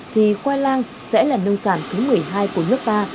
thì khoai lang sẽ là nông sản thứ một mươi hai của nước ta